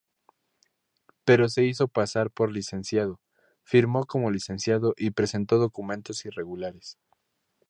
Pero se hizo pasar por licenciado, firmó como licenciado y presentó documentos irregulares.